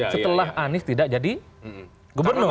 setelah anies tidak jadi gubernur